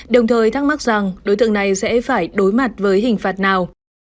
đồng thời thắc mắc rằng đối tượng này sẽ phải đối mặt với hình phạt nào